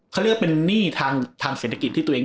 เขาเรียกว่าเป็นหนี้ทางเศรษฐกิจที่ตัวเอง